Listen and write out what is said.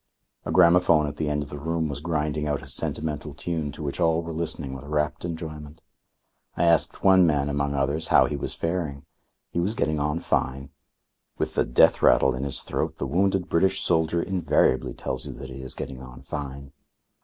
A gramophone at the end of the room was grinding out a sentimental tune to which all were listening with rapt enjoyment. I asked one man, among others, how he was faring. He was getting on fine. With the death rattle in his throat the wounded British soldier invariably tells you that he is getting on fine.